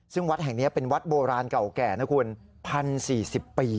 ซึ่งวัดแห่งนี้เป็นวัดโบราณเก่าแก่นะคุณ๑๐๔๐ปี